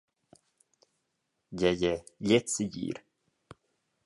Gie, gie, gliez segir.